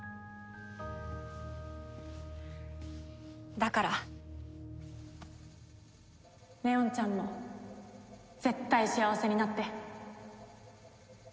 だから祢音ちゃんも絶対幸せになって。